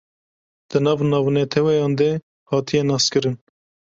di nav navnetewayan de hatiye naskirin